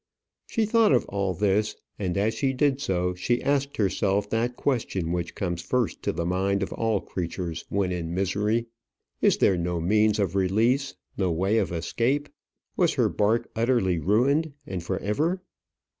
She thought of all this; and, as she did so, she asked herself that question which comes first to the mind of all creatures when in misery: Is there no means of release; no way of escape? was her bark utterly ruined, and for ever?